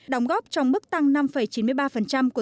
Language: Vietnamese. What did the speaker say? đồng góp trong mức tăng năm chín mươi ba của toàn nền kinh tế